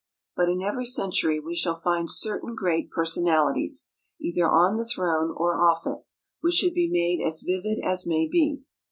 But in every century we shall find certain great personalities, either on the throne or off it, which should be made as vivid as may be.